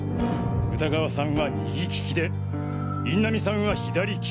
歌川さんは右利きで印南さんは左利き。